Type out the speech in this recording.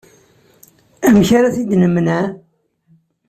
Amek ara t-id-nemneε?